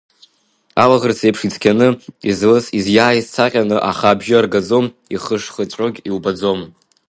Алаӷырӡ еиԥш ицқьаны, излыс, изиааиз цаҟьаны, аха абжьы аргаӡом, ихыш-хыҵәогь иубаӡом.